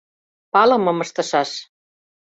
Палымым ыштышаш...